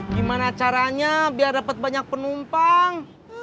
gimana caranya biar dapat banyak penumpang